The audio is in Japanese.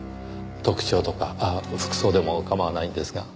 特徴とかああ服装でも構わないんですが。